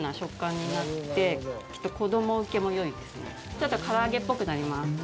ちょっと唐揚げっぽくなります。